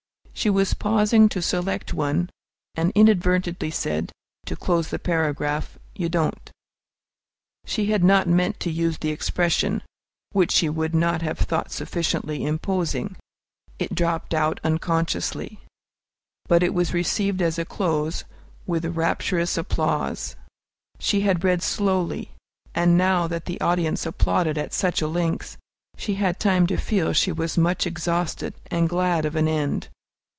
She was pausing to select one, and inadvertently said, to close the phrase, "you don't." She had not meant to use the expression, which she would not have thought sufficiently imposing, it dropped out unconsciously, but it was received as a close with rapturous applause. She had read slowly, and now that the audience applauded at such a length, she had time to feel she was much exhausted and glad of an end.